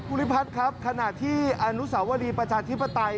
อุลิพรรภ์ครับขณะที่อาวุษาวรีประจาชธิปไตย